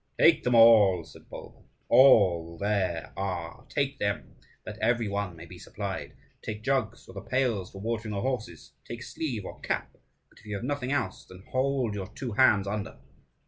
"Take them all," said Bulba, "all there are; take them, that every one may be supplied. Take jugs, or the pails for watering the horses; take sleeve or cap; but if you have nothing else, then hold your two hands under."